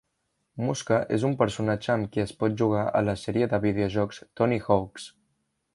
Muska és un personatge amb qui es pot jugar a la sèrie de videojocs "Tony Hawk's".